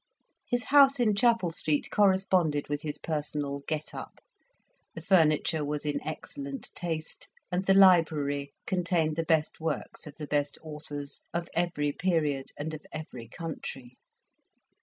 His house in Chapel Street corresponded with his personal "get up"; the furniture was in excellent taste, and the library contained the best works of the best authors of every period and of every country.